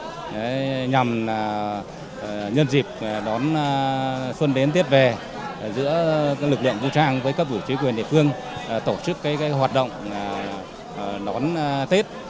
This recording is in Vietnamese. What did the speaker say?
chương trình xuân canh trời tết biên cương nhằm nhân dịp đón xuân đến tiết về giữa các lực lượng vũ trang với các vũ trí quyền địa phương tổ chức cái hoạt động đón tết